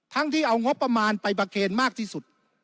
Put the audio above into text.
ที่เอางบประมาณไปประเคนมากที่สุด